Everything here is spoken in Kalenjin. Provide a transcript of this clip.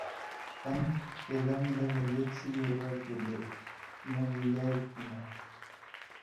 kany kekany lokoiwek sikeroo kele mokuyaak nee